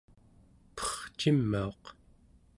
percimauq